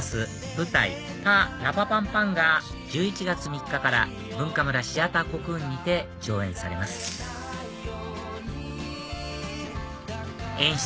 舞台『パ・ラパパンパン』が１１月３日からＢｕｎｋａｍｕｒａシアターコクーンにて上演されます演出